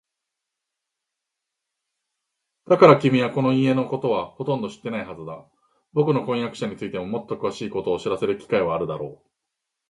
だから、君はこの家のことはほとんど知っていないはずだ。ぼくの婚約者についてもっとくわしいことを知らせる機会はあるだろう。